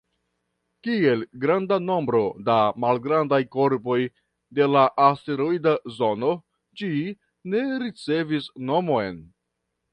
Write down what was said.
Kiel granda nombro da malgrandaj korpoj de la asteroida zono, ĝi ne ricevis nomon.